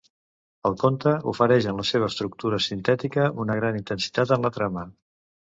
El conte ofereix, en la seva estructura sintètica, una gran intensitat en la trama.